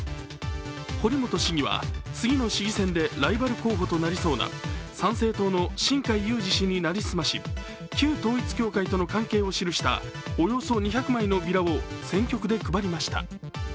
堀本市議は次の市議選でライバル候補となりそうな参政党の新開裕司氏に成り済まし旧統一教会との関係を記したおよそ２００枚のビラを選挙区で配りました。